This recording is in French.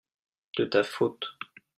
de ta faute.